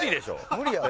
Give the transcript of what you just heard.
無理やろ。